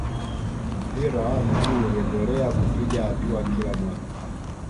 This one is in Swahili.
mpira wa miguu uliendelea kupiga hatua kila mwaka